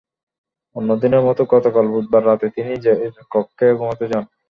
অন্য দিনের মতো গতকাল বুধবার রাতে তিনি নিজের কক্ষে ঘুমাতে যান।